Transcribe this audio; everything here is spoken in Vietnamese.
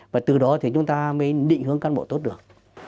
và từ đó thì chúng ta mới định hướng cán bộ tốt được